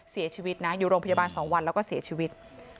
เสียชีวิตนะอยู่โรงพยาบาล๒วันแล้วก็เสียชีวิต